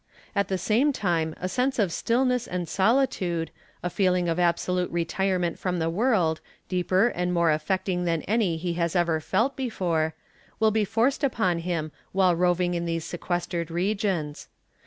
At the same time a sense of stillness and solitude, a feeling of absolute retirement from the world, deeper and more affecting than any he has ever felt before, will be forced upon him while roving in these sequestered regions.